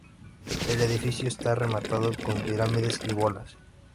El edificio está rematado con pirámides y bolas.